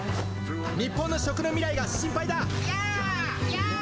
日本の食の未来が心配だ。